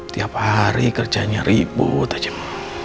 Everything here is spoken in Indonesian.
tiap hari kerjanya ribut aja mah